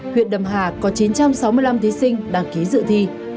huyện đầm hà có chín trăm sáu mươi năm thí sinh đăng ký dự thi